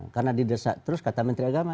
karena didesak terus kata menteri agama